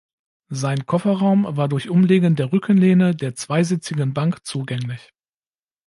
Sein Kofferraum war durch Umlegen der Rückenlehne der zweisitzigen Bank zugänglich.